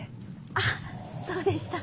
あっそうでした。